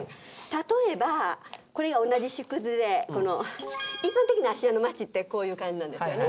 例えばこれが一般的な芦屋の町ってこういう感じなんですよね。